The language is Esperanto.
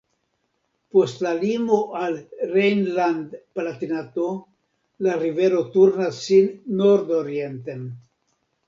Post la limo al Rejnland-Palatinato la rivero turnas sin nordorienten.